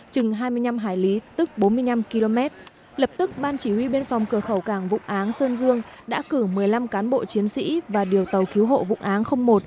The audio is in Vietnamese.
chừng hai mươi năm hải lý tức bốn mươi năm km lập tức ban chỉ huy biên phòng cửa khẩu cảng vụ áng sơn dương đã cử một mươi năm cán bộ chiến sĩ và điều tàu cứu hộ vụ áng một